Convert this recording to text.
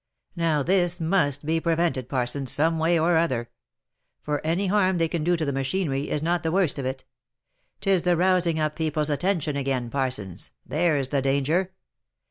Now this must be prevented, Parsons, some way or other; for any harm they can do the machinery, is not the worst of it. — Tis the rousing up people's attention again, Parsons, there's the danger.